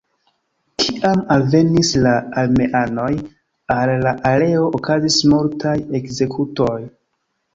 Kiam alvenis la armeanoj al la areo okazis multaj ekzekutoj.